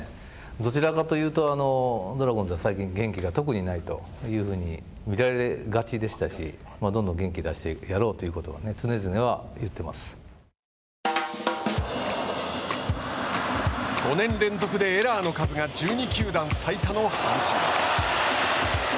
どちらかというとドラゴンズは最近、元気が特にないというふうに見られがちでしたしどんどん元気出してやろうという５年連続でエラーの数が１２球団最多の阪神。